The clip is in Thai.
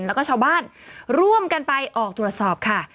แล้วก็ชาวบ้านร่วมกันไปออกตรวจสอบค่ะ